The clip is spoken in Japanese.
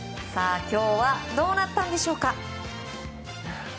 今日はどうなったんでしょうか。